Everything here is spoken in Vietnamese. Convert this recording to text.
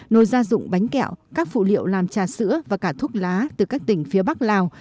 nồi gia dụng bánh kẹo các phụ liệu làm trà sữa và cả thuốc lá từ các tỉnh phía bắc lào